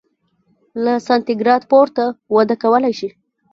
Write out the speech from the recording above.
له سانتي ګراد پورته وده کولای شي.